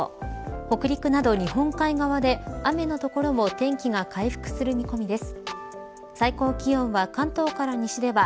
北陸など日本海側で雨の所も天気が回復する見込みです。